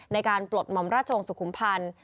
ในการปลดหม่อมราชงศุขุมภัณฑ์